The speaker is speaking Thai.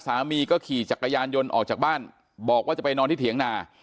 สามีก็ขี่จักรยานยนต์ออกจากบ้านบอกว่าจะไปนอนที่เถียงนา